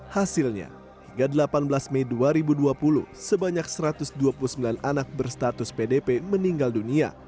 hasilnya hingga delapan belas mei dua ribu dua puluh sebanyak satu ratus dua puluh sembilan anak berstatus pdp meninggal dunia